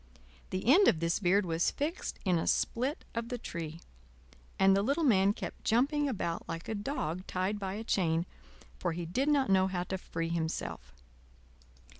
The end of this beard was fixed in a split of the tree, and the little man kept jumping about like a dog tied by a chain, for he did not know how to free himself.